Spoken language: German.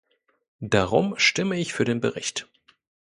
Darum stimme ich für den Bericht.